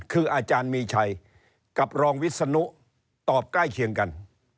คืออาจารย์มีชัยกับรองวิศนุตอบใกล้เคียงกัน